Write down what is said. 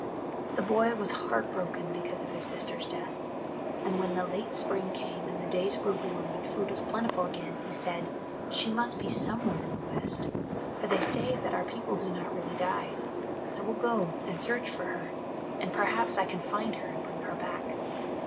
The boy was heart broken because of his sister's death. And when the late spring came and the days grew warm and food was plentiful again, he said, "She must be somewhere in the West, for they say that our people do not really die. I will go and search for her, and perhaps I can find her and bring her back."